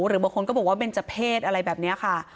หรือบางคนก็บอกว่าเบนเจอร์เพศอะไรแบบนี้ค่ะ